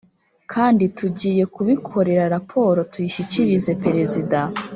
kandi tugiye kubikorera raporo tuyishyikirize Perezida